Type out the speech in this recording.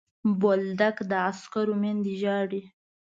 بولدک د عسکرو میندې ژاړي.